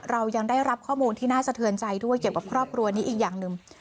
เรายังได้รับข้อมูลที่น่าสะเทือนใจด้วยเกี่ยวกับครอบครัวนี้อีกอย่างหนึ่ง